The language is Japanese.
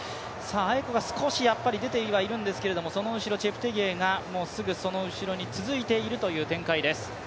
アエコが少しやっぱり出てはいるんですけれども、チェプテゲイがすぐその後ろに続いているという展開です。